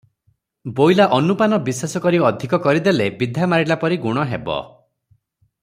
ବୋଇଲା ଅନୁପାନ ବିଶେଷ କରି ଅଧିକ କରିଦେଲେ ବିଧା ମାରିଲାପରି ଗୁଣ ହେବ ।"